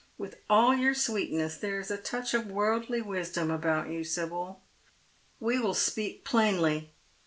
With all your sweetness there is a touch of worldly wisdom about you, Sibyl. We will speak plainly.